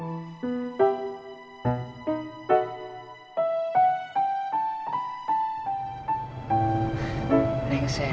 bukannya duduk di belakang sama aku